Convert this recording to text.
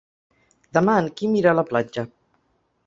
Demà en Quim irà a la platja.